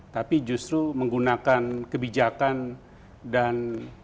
tapi justru menggunakan kebijakan dan